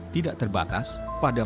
tidak terbatas pada